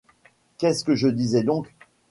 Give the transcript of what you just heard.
Qu’est-ce que je disais donc ?